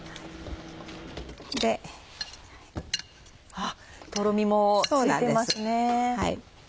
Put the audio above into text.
あっとろみもついてますね。